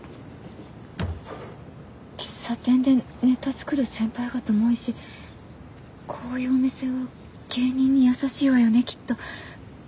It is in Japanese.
喫茶店でネタ作る先輩方も多いしこういうお店は芸人に優しいわよねきっと。